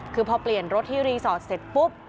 คือพอเปลี่ยนรถที่รีสอร์ทเสร็จปุ๊บ